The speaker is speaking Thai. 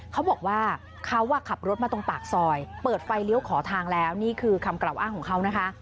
เขาบอกว่าเขาขับรถมาตรงปากซอยเปิดไฟเลี้ยวขอทางแล้วนี่คือคำกล่าวอ้างของเขานะคะ